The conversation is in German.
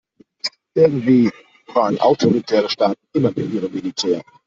Irgendwie prahlen autoritäre Staaten immer mit ihrem Militär.